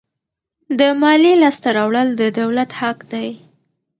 د مالیې لاسته راوړل د دولت حق دی.